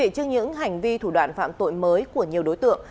trước những hành vi thủ đoạn phạm tội mới của nhiều đối tượng